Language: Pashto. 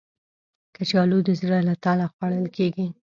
کچالو د زړه له تله خوړل کېږي